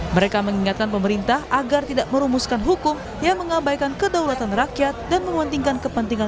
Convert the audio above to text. mereka mengingatkan pemerintah agar tidak merumuskan hukum yang mengabaikan kedaulatan rakyat dan menguntingkan kepentingan